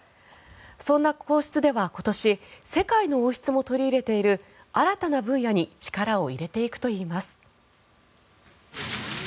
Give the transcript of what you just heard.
そんな皇室では今年世界の王室も取り入れている新たな分野に力を入れていくといいます。